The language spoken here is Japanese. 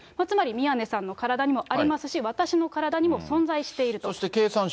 つまり宮根さんの体にもありますし、私の体にも存在していると。